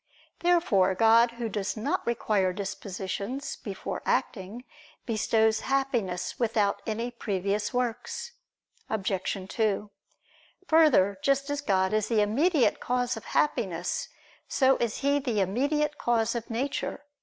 Therefore God who does not require dispositions before acting, bestows Happiness without any previous works. Obj. 2: Further, just as God is the immediate cause of Happiness, so is He the immediate cause of nature.